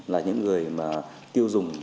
là những người mà tiêu dùng